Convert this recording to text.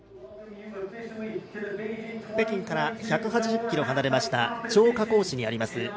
北京から１８０ｋｍ離れました張家口市にあります